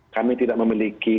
kami tidak memiliki